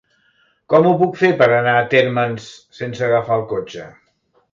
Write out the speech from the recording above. Com ho puc fer per anar a Térmens sense agafar el cotxe?